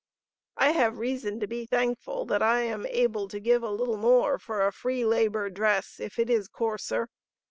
I have reason to be thankful that I am able to give a little more for a Free Labor dress, if it is coarser.